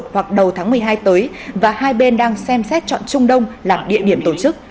hoặc đầu tháng một mươi hai tới và hai bên đang xem xét chọn trung đông làm địa điểm tổ chức